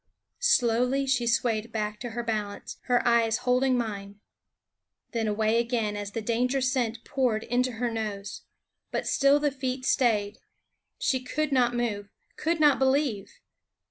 Slowly she swayed back to her balance, her eyes holding mine; then away again as the danger scent poured into her nose. But still the feet stayed. She could not move; could not believe.